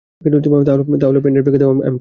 তাহলে পেনড্রাইভ রেখে দাও, আমি পড়ে দেখে নেব।